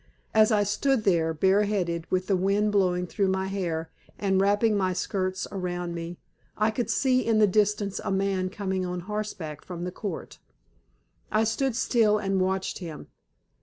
As I stood there, bareheaded, with the wind blowing through my hair and wrapping my skirts around me, I could see in the distance a man coming on horseback from the Court. I stood still and watched him.